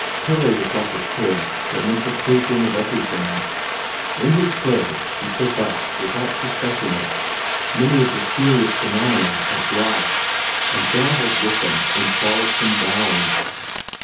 Pelle was like a kid that makes a plaything of everything. In his play he took up, without suspecting it, many of the serious phenomena of life, and gambolled with them in frolicsome bounds.